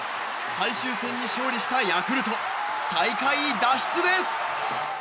最終戦に勝利したヤクルト最下位脱出です！